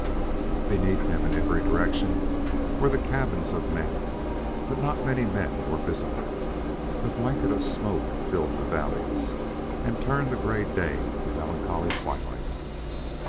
Beneath him, in every direction were the cabins of men. But not many men were visible. A blanket of smoke filled the valleys and turned the gray day to melancholy twilight.